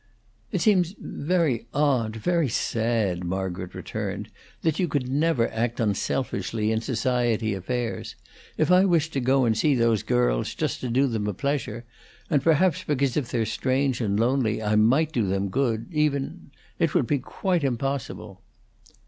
"It seems very odd, very sad," Margaret returned, "that you never could act unselfishly in society affairs. If I wished to go and see those girls just to do them a pleasure, and perhaps because if they're strange and lonely, I might do them good, even it would be impossible."